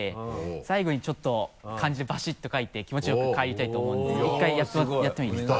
最後にちょっと漢字でバシッと書いて気持ちよく帰りたいと思うんですけど１回やってもいいですか？